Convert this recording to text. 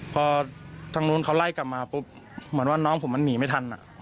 พอทางนู้นเขาไล่กลับมาปุ๊บเหมือนว่าน้องผมมันหนีไม่ทัน